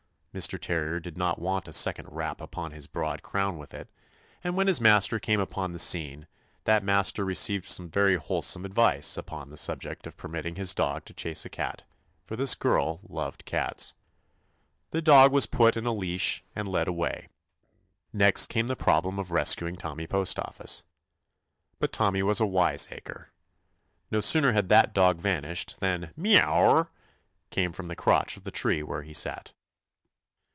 Mr. Terrier did not want a second rap upon his broad crown with it, and when his master came upon the scene, that master re ceived some very wholesome advice 81 THE ADVENTURES OF upon the subject of permitting his dog to chase a cat, for this girl loved cats. The dog was put in leash and led away. Next came the problem of res cuing Tommy Postoffice. But Tom my was a wiseacre. No sooner had that dog vanished than "M r o wow," came from the crotch of the tree where he sat.